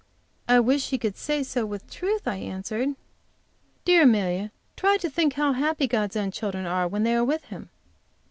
"I wish he could say so with truth," I answered. "Dear Amelia, try to think how happy God's own children are when they are with Him."